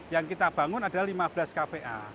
yang kita bangun adalah lima belas kpa